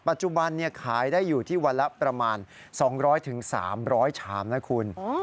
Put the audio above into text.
ปัจจุบันขายได้อยู่ที่วันละประมาณ๒๐๐๓๐๐ชามนะคุณ